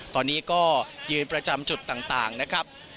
ตอนนี้ก็ยืนประจำจุดต่างนะครับ